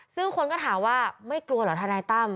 ซึ่งคนก็ถามว่าไม่กลัวเหรอทนายตั้ม